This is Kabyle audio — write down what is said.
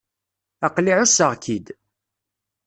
Aql-i εusseɣ-k-id.